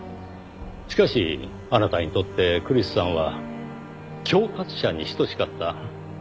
しかしあなたにとってクリスさんは恐喝者に等しかった。